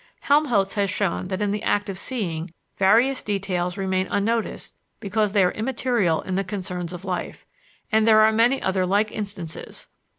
Helmholtz has shown that in the act of seeing, various details remain unnoticed because they are immaterial in the concerns of life; and there are many other like instances.